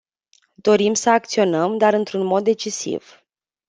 Dorim să acționăm, dar într-un mod decisiv.